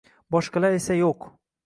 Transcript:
boshqalar esa yo‘q.